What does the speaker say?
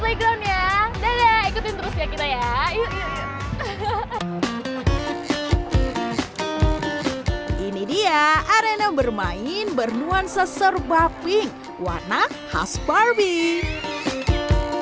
playground ya daya ikutin terus ya kita ya ini dia arena bermain bernuansa serba pink warna khas barbie